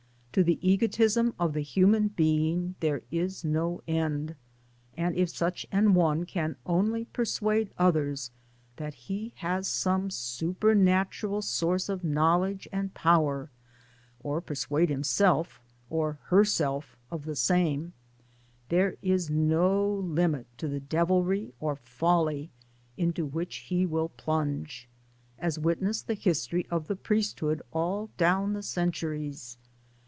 To the egotism! of the human being there is no end ; and if such an one can only persuade others that he has some supernatural source of knowledge and power, or persuade himself (or herself) of the same, there is no limit to the devilry or folly into which he will plunge as! witness the history of the priesthood all down the centuries.